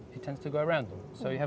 karena udara dan topografi